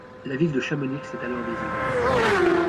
La ville de Chamonix est alors désignée.